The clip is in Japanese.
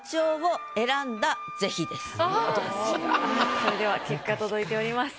それでは結果届いております。